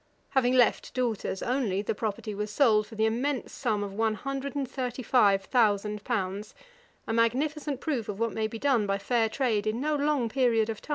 Having left daughters only, the property was sold for the immense sum of one hundred and thirty five thousand pounds; a magnificent proof of what may be done by fair trade in no long period of time.